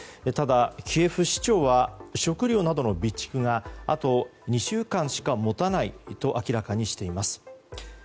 ただ、キエフ市長は食料などの備蓄があと２週間しか持たないと明らかにしています。